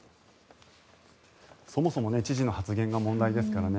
そもそも知事の発言が問題ですからね。